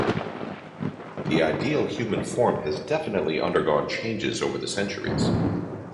The ideal human form has definitely undergone changes over the centuries.